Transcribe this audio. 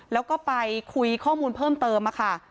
แล้วก็ไปคุยข้อมูลเพิ่มเติมค่ะ